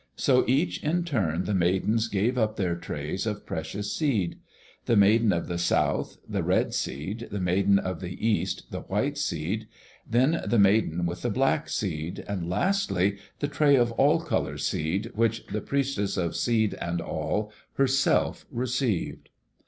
So each in turn the Maidens gave up their trays of precious seed. The Maiden of the South, the red seed; the Maiden of the East, the white seed; then the Maiden with the black seed, and lastly, the tray of all color seed which the Priestess of Seed and All herself received.